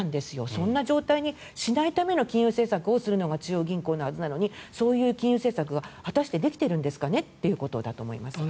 そんな状態にしないための金融政策をするのが中央銀行のはずなのにそういうのが果たしてできているんですかねということです。